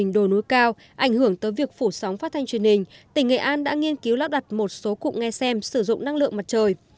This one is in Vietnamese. trong những chương trình truyền hình tỉnh nghệ an đã nghiên cứu lắp đặt một số cụm nghe xem sử dụng năng lượng mặt trời